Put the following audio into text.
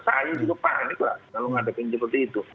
saya juga panik lah kalau ngadakan seperti itu